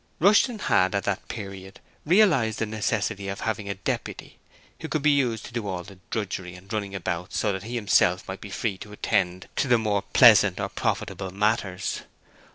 Rushton had at that period realized the necessity of having a deputy who could be used to do all the drudgery and running about so that he himself might be free to attend to the more pleasant or profitable matters.